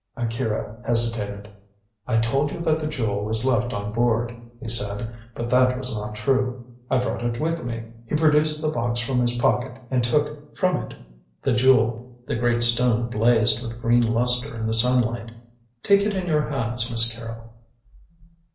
Akira hesitated. "I told you that the Jewel was left on board," he said, "but that was not true. I brought it with me." He produced the box from his pocket and took from it the Jewel. The great stone blazed with green lustre in the sunlight. "Take it in your hands, Miss Carrol."